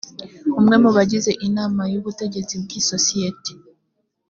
umwe mu bagize inama y ubutegetsi bw isosiyete